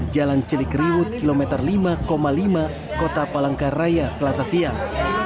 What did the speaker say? jalan cilikriwut kilometer lima lima kota palangkaraya selasa siang